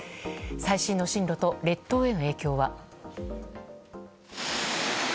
最新の進路と列島への影響は？